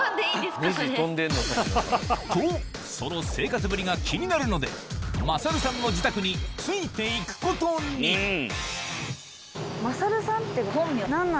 それ。とその生活ぶりが気になるのでマサルさんの自宅について行くことにえ！